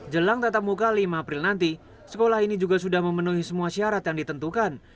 jelang tatap muka lima april nanti sekolah ini juga sudah memenuhi semua syarat yang ditentukan